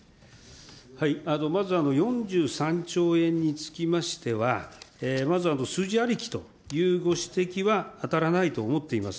まず４３兆円につきましては、まず数字ありきというご指摘は当たらないと思っています。